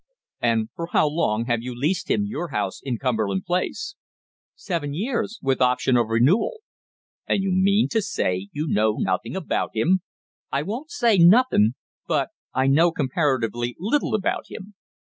"And for how long have you leased him your house in Cumberland Place?" "Seven years, with option of renewal." "And you mean to say you know nothing about him?" "I won't say 'nothin',' but I know comparatively little about him.